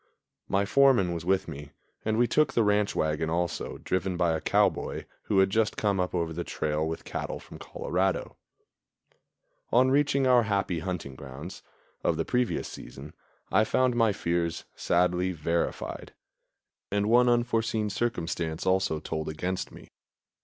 My foreman was with me, and we took the ranch wagon also, driven by a cowboy who had just come up over the trail with cattle from Colorado. On reaching our happy hunting grounds of the previous season, I found my fears sadly verified; and one unforeseen circumstance also told against me.